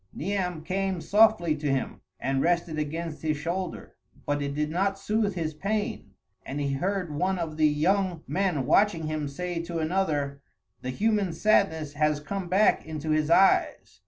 Niam came softly to him and rested against his shoulder, but it did not soothe his pain, and he heard one of the young men watching him say to another, "The human sadness has come back into his eyes."